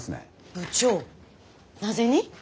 部長なぜに？